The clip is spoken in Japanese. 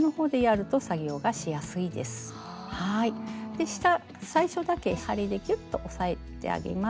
で下最初だけ針でキュッと押さえてあげます。